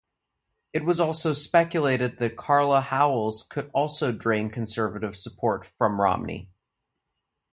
It was also speculated that Carla Howell's could also drain conservative support from Romney.